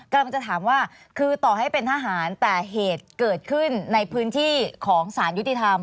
กำลังจะถามว่าคือต่อให้เป็นทหารแต่เหตุเกิดขึ้นในพื้นที่ของสารยุติธรรม